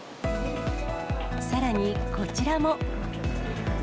さらに、こちらも。